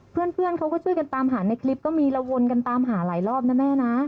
เพื่อนเขาก็ช่วยกันตามหาในคลิปก็มีแล้ววนกันตามหาหลายรอบนะแม่นะ